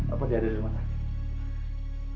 apa dia ada di rumah sakit